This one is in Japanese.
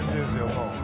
もう。